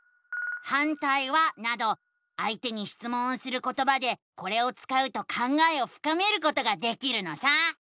「反対は？」などあいてにしつもんをすることばでこれを使うと考えをふかめることができるのさ！